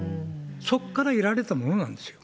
そこからやられたものなんですよ。